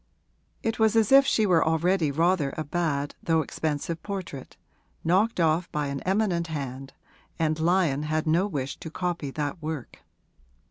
It was as if she were already rather a bad though expensive portrait, knocked off by an eminent hand, and Lyon had no wish to copy that work.